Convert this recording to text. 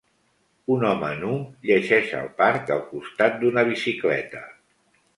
Un home nu llegeix al parc al costat d'una bicicleta.